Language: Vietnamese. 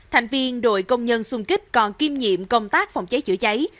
thành viên đội công nhân xung kích còn kiêm nhiệm công tác phòng cháy chữa cháy